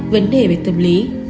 hai vấn đề về tâm lý